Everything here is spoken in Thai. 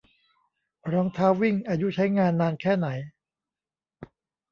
รองเท้าวิ่งอายุใช้งานนานแค่ไหน